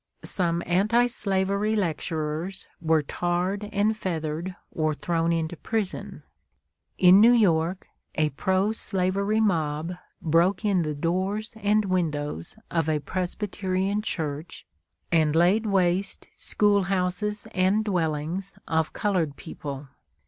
Some anti slavery lecturers were tarred and feathered or thrown into prison. In New York, a pro slavery mob broke in the doors and windows of a Presbyterian church, and laid waste schoolhouses and dwellings of colored people.